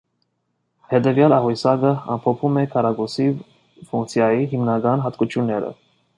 Հետևյալ աղյուսակը ամփոփում է քառակուսի ֆունկցիայի հիմնական հատկությունները։